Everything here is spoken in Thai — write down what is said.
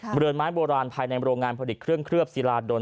เบลือนไม้โบราณภายในโรงงานผลิตเครื่องเคลือบซีราโดล